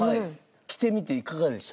着てみていかがでした？